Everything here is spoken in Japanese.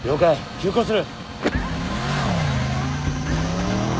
急行する。